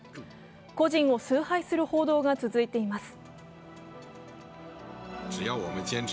個人を崇拝する報道が続いています。